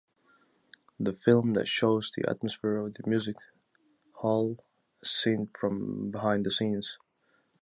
The film that shows the atmosphere of the music hall as seen from behind the scenes.